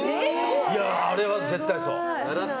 あれは絶対そう。